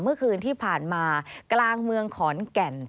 เมื่อคืนที่ผ่านมากลางเมืองขอนแก่น